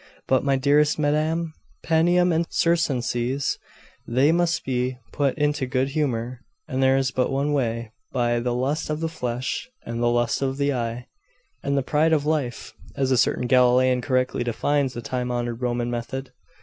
But, my dearest madam "Panem and Circenses" they must be put into good humour; and there is but one way by "the lust of the flesh, and the lust of the eye, and the pride of life," as a certain Galilaean correctly defines the time honoured Roman method.